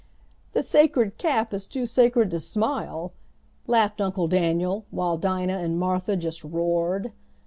"The sacred calf is too sacred to smile," laughed Uncle Daniel, while Dinah and Martha just roared.